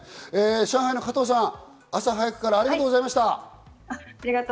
上海の加藤さん、朝早くからありがとうございました。